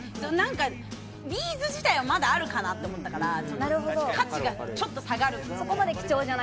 ビーズ自体はまだあるかなって思ったから、価値がちょっと下がる。